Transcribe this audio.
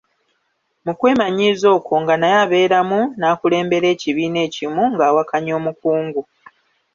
Mu kwemanyiiza okwo nga naye abeeramu n'akulembera ekibiina ekimu ng'awakanya omukungu.